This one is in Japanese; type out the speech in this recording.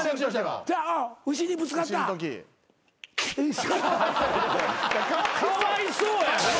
かわいそうや。